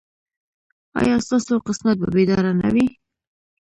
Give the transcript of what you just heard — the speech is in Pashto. ایا ستاسو قسمت به بیدار نه وي؟